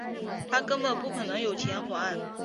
他根本不可能有钱还